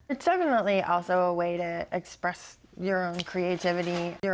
ini pasti juga cara untuk mengekspresikan kreativitas anda sendiri